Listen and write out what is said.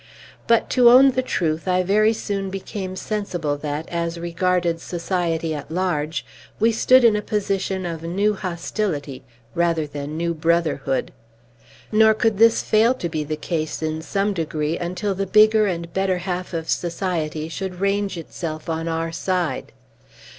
But, to own the truth, I very soon became sensible that, as regarded society at large, we stood in a position of new hostility, rather than new brotherhood. Nor could this fail to be the case, in some degree, until the bigger and better half of society should range itself on our side.